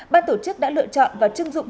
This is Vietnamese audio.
ban tổ chức đã lựa chọn và chưng dụng